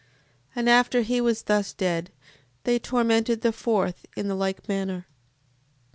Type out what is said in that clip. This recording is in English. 7:13. And after he was thus dead, they tormented the fourth in the like manner.